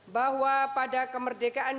bahwa pada kemerdekaan